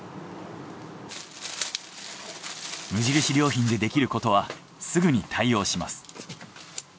無印良品でできることはすぐに対応します。